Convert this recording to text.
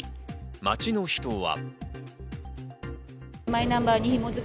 街の人は。